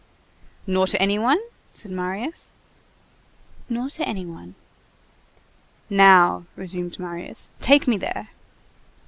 "Nor to any one?" said Marius. "Nor to any one." "Now," resumed Marius, "take me there."